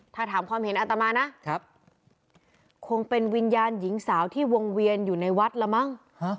ถ้าถามความเห็นอัตมานะคงเป็นวิญญาณหญิงสาวที่วงเวียนอยู่ในวัดละมั้ง